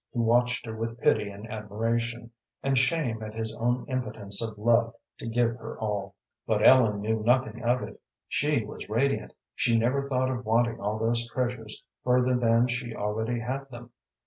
He watched her with pity and admiration, and shame at his own impotence of love to give her all. But Ellen knew nothing of it. She was radiant. She never thought of wanting all those treasures further than she already had them.